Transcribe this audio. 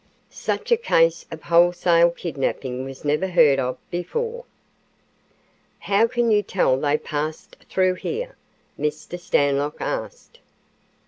Such a case of wholesale kidnapping was never heard of before." "How can you tell they passed through here?" Mr. Stanlock asked.